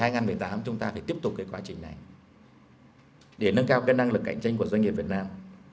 năm hai nghìn một mươi tám chúng ta phải tiếp tục cái quá trình này để nâng cao cái năng lực cạnh tranh của doanh nghiệp việt nam